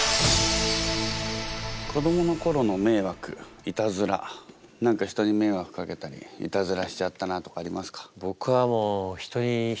子どもの頃の迷惑イタズラ何か人に迷惑かけたりイタズラしちゃったなとかありますか？